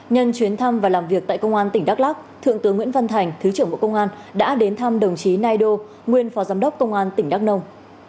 nhân chuyến thăm và làm việc tại công an tỉnh đắk lắc thượng tướng nguyễn văn thành thứ trưởng bộ công an đã đến thăm đồng chí nai đô nguyên phó giám đốc công an tỉnh đắk nông